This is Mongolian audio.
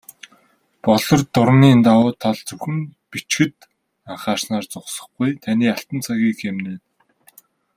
"Болор дуран"-ийн давуу тал зөвхөн зөв бичихэд анхаарснаар зогсохгүй, таны алтан цагийг хэмнэнэ.